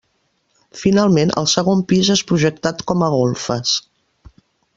Finalment, el segon pis, és projectat com a golfes.